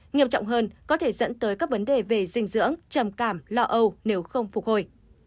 nghiêm trọng hơn có thể dẫn tới các vấn đề về dinh dưỡng trầm cảm lo âu nếu không phục hồi